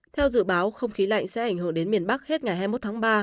theo dự báo không khí lạnh sẽ ảnh hưởng đến miền bắc hết ngày hai mươi một tháng ba